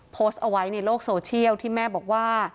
โพสต์เอาไว้ในโลกโซเชียลที่แม่บอกว่า